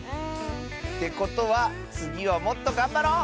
てことはつぎはもっとがんばろう！